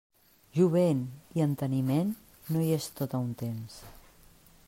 Jovent i enteniment, no hi és tot a un temps.